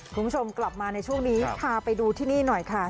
คุณผู้ชมกลับมาในช่วงนี้พาไปดูที่นี่หน่อยค่ะ